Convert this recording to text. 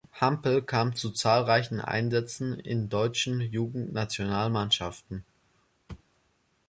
Hampel kam zu zahlreichen Einsätzen in deutschen Jugendnationalmannschaften.